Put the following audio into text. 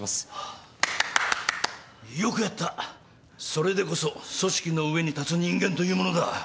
それでこそ組織の上に立つ人間というものだ。